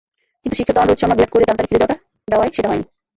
কিন্তু শিখর ধাওয়ান, রোহিত শর্মা, বিরাট কোহলিরা তাড়াতাড়ি ফিরে যাওয়ায় সেটা হয়নি।